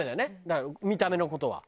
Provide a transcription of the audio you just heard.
だから見た目の事は。